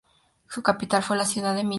Su capital fue la ciudad de Milán.